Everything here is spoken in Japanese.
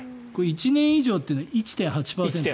１年以上というのが１．８％。